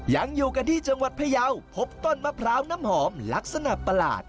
ยังอยู่กันที่จังหวัดพยาวพบต้นมะพร้าวน้ำหอมลักษณะประหลาด